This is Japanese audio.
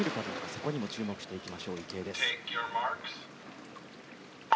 そこにも注目していきましょう池江です。